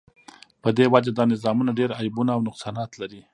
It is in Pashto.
په دی وجه دا نظامونه ډیر عیبونه او نقصانات لری